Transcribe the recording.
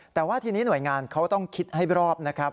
แต่ว่าทีนี้หน่วยงานเขาต้องคิดให้รอบนะครับ